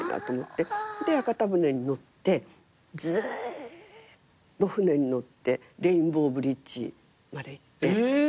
で屋形船に乗ってずーっと船に乗ってレインボーブリッジまで行って。